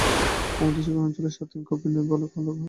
ভূমধ্যসাগরীয় অঞ্চলের স্বাদহীন কফি নয়, ভালো কফি।